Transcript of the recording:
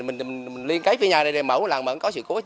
mình liên kế phía nhà đây để mở một làng mà có sự cố